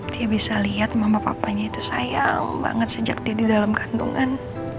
dia bisa lihat mama papanya itu sayang banget sejak dia di dalam kandungan